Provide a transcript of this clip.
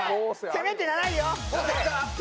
せめて７位よ！